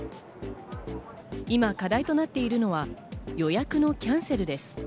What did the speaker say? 今、課題となっているのは予約のキャンセルです。